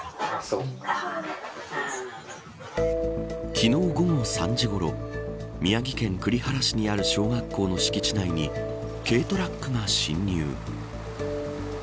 昨日午後３時ごろ宮城県栗原市にある小学校の敷地内に軽トラックが侵入。